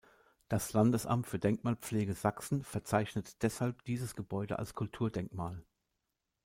Das Landesamt für Denkmalpflege Sachsen verzeichnet deshalb dieses Gebäude als Kulturdenkmal.